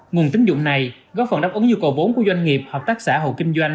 nguồn tín dụng này góp phần đáp ứng nhu cầu vốn của doanh nghiệp hợp tác xã hồ kinh doanh